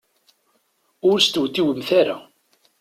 Ur stewtiwemt ara.